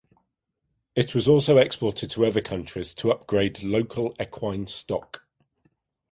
It was also exported to other countries to upgrade local equine stock.